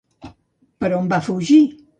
Per on va fugir?